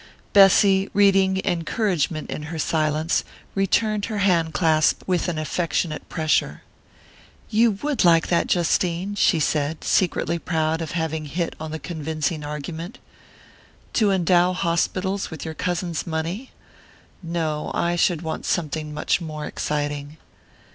Bessy, reading encouragement in her silence, returned her hand clasp with an affectionate pressure. "You would like that, Justine?" she said, secretly proud of having hit on the convincing argument. "To endow hospitals with your cousin's money? No; I should want something much more exciting!"